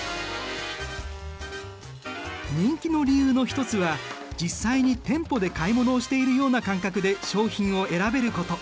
人気の理由の一つは実際に店舗で買い物をしているような感覚で商品を選べること。